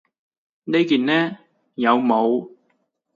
呢件呢？有帽